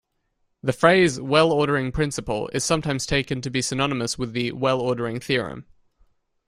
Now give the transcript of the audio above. The phrase "well-ordering principle" is sometimes taken to be synonymous with the "well-ordering theorem".